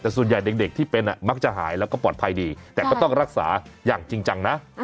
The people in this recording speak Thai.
แต่ส่วนใหญ่เด็กที่เป็นมักจะหายแล้วก็ปลอดภัยดีแต่ก็ต้องรักษาอย่างจริงจังนะ